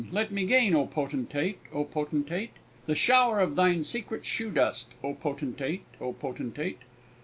let me gain! Oh, Potentate! Oh, Potentate! The shower of thine secret shoe dust Oh, Potentate! Oh, Potentate!